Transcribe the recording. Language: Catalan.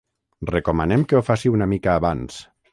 Recomanem que ho faci una mica abans.